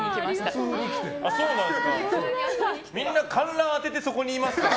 みんな観覧当ててそこにいますからね。